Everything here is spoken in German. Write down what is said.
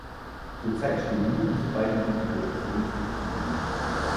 Zurzeit stehen nur diese beiden Konfigurationen zur Verfügung.